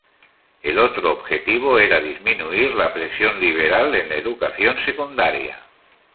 El otro objetivo era disminuir la presión liberal en la educación secundaria.